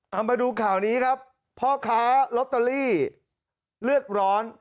เอามาดูข่าวนี้ครับพ่อค้าลอตเตอรี่เลือดร้อน